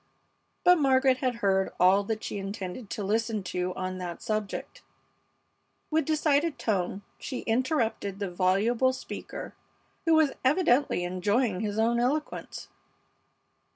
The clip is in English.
But Margaret had heard all that she intended to listen to on that subject. With decided tone she interrupted the voluble speaker, who was evidently enjoying his own eloquence.